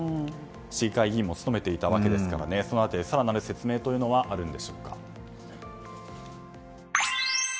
市議会議員も務めていたのでその辺り、更なる説明というのはあるんでしょうか。